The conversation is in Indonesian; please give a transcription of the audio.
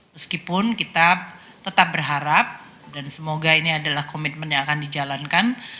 meskipun kita tetap berharap dan semoga ini adalah komitmen yang akan dijalankan